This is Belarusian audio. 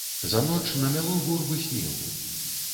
За ноч намяло гурбы снегу.